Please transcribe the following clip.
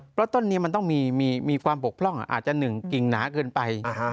เพราะต้นนี้มันต้องมีความบกพร่องอาจจะหนึ่งกิ่งหนาเกินไป